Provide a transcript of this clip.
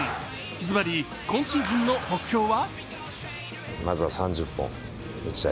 ズバリ今シーズンの目標は？